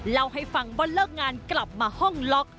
เล่าให้ฟังว่าเลิกงานกลับมาห้องล็อก